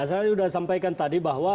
saya sudah sampaikan tadi bahwa